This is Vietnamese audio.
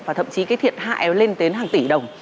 và thậm chí cái thiệt hại lên đến hàng tỷ đồng